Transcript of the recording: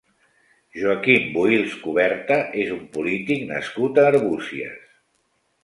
Joaquim Bohils Cuberta és un polític nascut a Arbúcies.